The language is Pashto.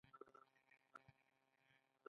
د پرمختیا کلیمه په بېلا بېلو بڼو تعریف شوې ده.